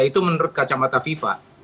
itu menurut kacamata viva